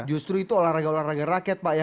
justru itu olahraga olahraga rakyat pak ya